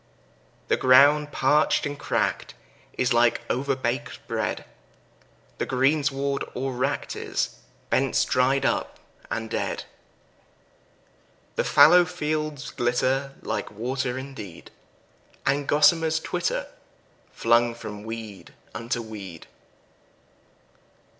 The ground parched and cracked is like overbaked bread, The greensward all wracked is, bents dried up and dead. The fallow fields glitter like water indeed, And gossamers twitter, flung from weed unto weed.